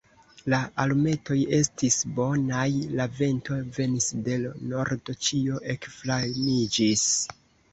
La alumetoj estis bonaj: la vento venis de l' nordo, ĉio ekflamiĝis.